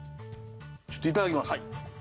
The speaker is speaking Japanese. ちょっといただきます。